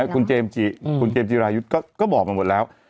คุณเจมสจิรายุทธ์ก็บอกมาหมดแล้ว